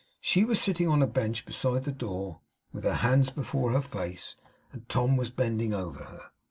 She was sitting on a bench beside the door with her hands before her face; and Tom was bending over her.